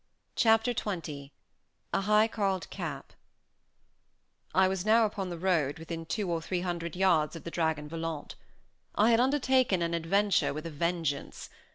Chapter XX A HIGH CAULD CAP I was now upon the road, within two or three hundred yards of the Dragon Volant. I had undertaken an adventure with a vengeance!